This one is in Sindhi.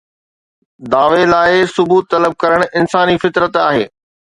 دعويٰ لاءِ ثبوت طلب ڪرڻ انساني فطرت آهي.